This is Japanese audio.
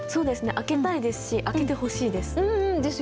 開けたいですし開けてほしいです。